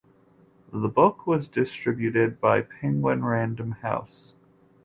The book was distributed by Penguin Random House.